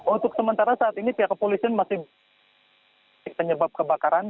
untuk sementara saat ini pihak kepolisian masih penyebab kebakaran